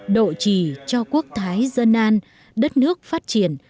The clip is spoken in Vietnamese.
độ trì cho quốc thái dân an đất nước phát triển